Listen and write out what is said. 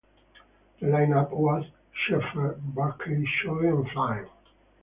The line-up was Shaefer, Burkey, Choy and Flynn.